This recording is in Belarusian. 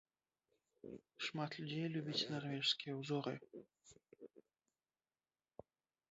Шмат людзей любіць нарвежскія ўзоры.